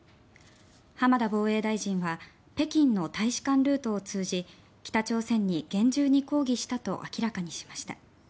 浜田防衛大臣は北京の大使館ルートを通じ北朝鮮に厳重に抗議したと明らかにしました。